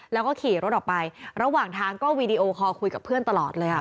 แล้วก็ขี่รถออกไประหว่างทางก็วีดีโอคอลคุยกับเพื่อนตลอดเลยอ่ะ